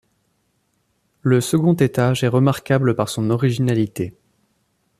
Le second étage est remarquable par son originalité.